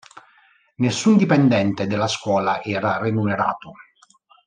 Nessun dipendente della scuola era remunerato.